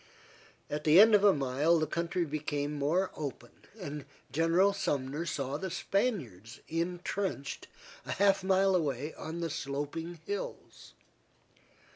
At the end of a mile the country became more open, and General Sumner saw the Spaniards intrenched a half mile away on the sloping hills.